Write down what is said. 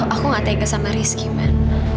aku gak tegas sama rizky man